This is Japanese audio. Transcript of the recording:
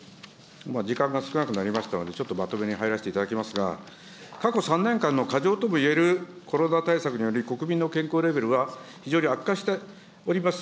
時間が少なくなりましたので、ちょっとまとめに入らせていただきますが、過去３年間の過剰ともいえるコロナ対策により、国民の健康レベルは非常に悪化しております。